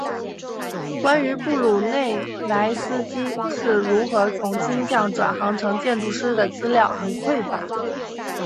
关于布鲁内莱斯基是如何从金匠转行成建筑师的资料很匮乏。